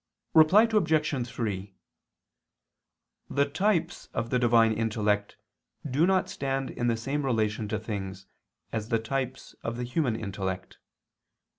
Reply Obj. 3: The types of the Divine intellect do not stand in the same relation to things, as the types of the human intellect.